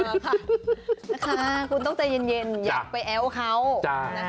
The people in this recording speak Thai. นะคะคุณต้องใจเย็นอยากไปแอ้วเขานะคะ